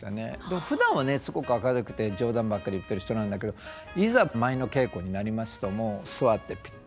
でもふだんはねすごく明るくて冗談ばっかり言ってる人なんだけどいざ舞の稽古になりますともう座ってピッ。